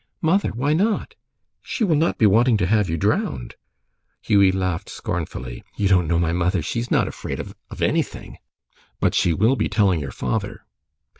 "Mother! Why not?" "She will not be wanting to have you drowned." Hughie laughed scornfully. "You don't know my mother. She's not afraid of of anything." "But she will be telling your father."